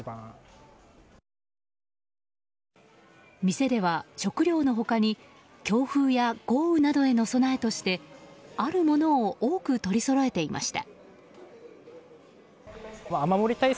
店では食料の他に強風や豪雨などへの備えとしてあるものを多くとりそろえていました。